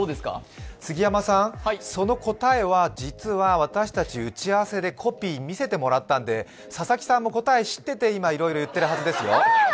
杉山さん、その答えは実は私たち、打ち合わせでコピー見せてもらったんで、佐々木さんも答え知ってて今いろいろ言ってるはずですよ。